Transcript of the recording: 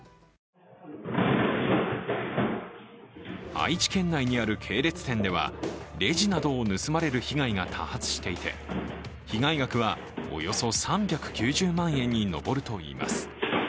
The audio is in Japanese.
愛知県内にある系列店では、レジなどを盗まれる被害が多発していて、被害額は、およそ３９０万円に上るといいます。